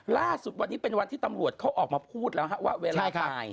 ล่าสุดวันนี้เป็นวันที่ตำรวจเขาออกมาพูดแล้วว่าเวลาตาย